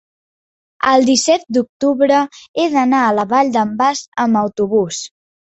el disset d'octubre he d'anar a la Vall d'en Bas amb autobús.